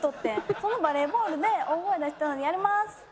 そのバレーボールで大声出したのでやります。